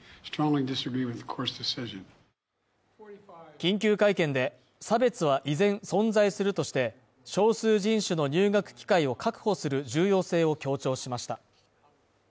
緊急会見で、差別は依然存在するとして、少数人種の入学機会を確保する重要性を強調しました。